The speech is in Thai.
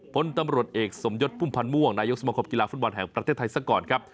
พลตำรวจเอกสมยศพุ่มพันธ์ม่วงนายกสมคมกีฬาฟุตบอลแห่งประเทศไทยซะก่อนครับ